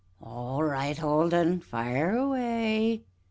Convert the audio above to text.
All right, Old Un fire away!